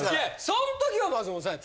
そん時は松本さん。